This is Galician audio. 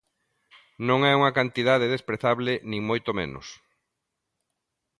Non é unha cantidade desprezable, nin moito menos.